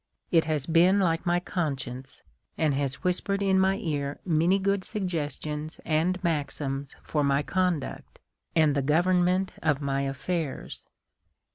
It has been like my consciejice, and has whispered in my ear many good suggestions and maxims for my conduct, and the govern ment of my affairs."